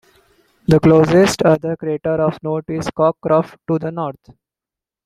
The closest other crater of note is Cockcroft to the north.